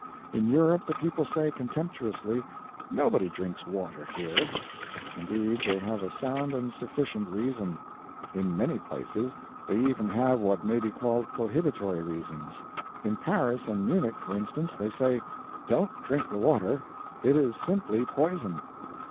In Europe the people say contemptuously, "Nobody drinks water here." Indeed, they have a sound and sufficient reason. In many places they even have what may be called prohibitory reasons. In Paris and Munich, for instance, they say, "Don't drink the water, it is simply poison."